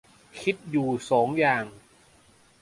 คิดอยู่สองอย่าง